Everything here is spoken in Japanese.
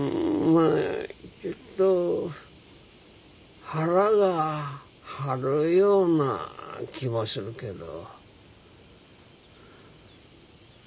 まあちょっと腹が張るような気もするけど。